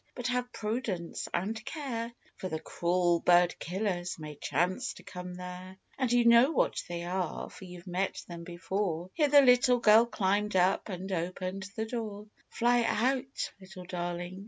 but have prudence and care, For the cruel bird killers may chance to come there ; And you know what they are, for you've met them before Here the little girl climbed up and opened the door: "Fly out, little darling!"